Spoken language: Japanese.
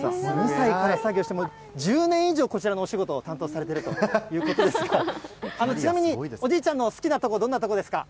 ２歳から作業して、もう１０年以上、こちらのお仕事を担当されているということですが、ちなみにおじいちゃんの好きなところ、どんなところですか？